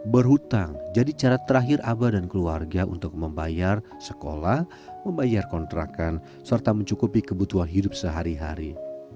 berhutang jadi cara terakhir abah dan keluarga untuk membayar sekolah membayar kontrakan serta mencukupi kebutuhan hidup sehari hari